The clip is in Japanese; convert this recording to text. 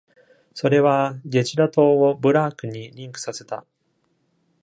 それはゲジラ島をブラークにリンクさせた。